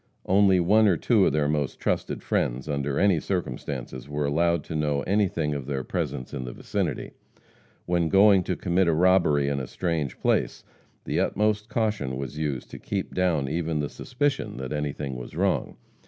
Only one or two of their most trusted friends, under any circumstances, were allowed to know anything of their presence in the vicinity. When going to commit a robbery in a strange place, the utmost caution was used to keep down even the suspicion that anything was wrong.